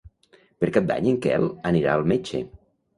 Per Cap d'Any en Quel anirà al metge.